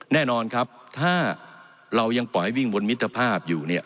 แน่นอนครับถ้าเรายังปล่อยวิ่งบนมิตรภาพอยู่เนี่ย